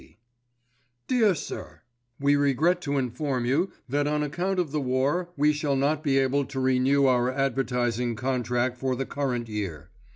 C. DEAR SIR, We regret to inform you that on account of the war we shall not be able to renew our advertising contract for the current year.